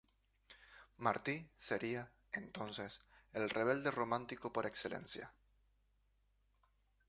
Martí sería, entonces, el Rebelde Romántico por excelencia.